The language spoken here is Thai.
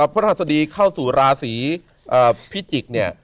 พระราชดีเข้าสู่ราศีพิจิกษ์เนี่ย